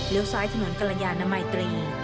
เลี้ยวสายถนนกลยานามาิตรี